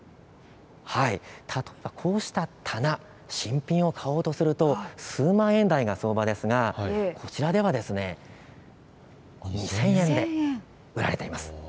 例えばこうした棚、新品で買おうとすると数万円台が相場ですがこちらでは２０００円で売られています。